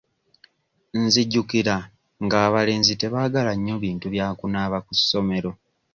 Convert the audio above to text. Nzijukira nga abalenzi tebaagala nnyo bintu bya kunaaba ku ssomero.